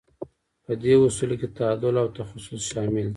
په دې اصولو کې تعادل او تخصص شامل دي.